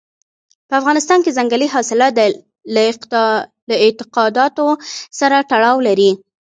په افغانستان کې ځنګلي حاصلات له اعتقاداتو سره تړاو لري.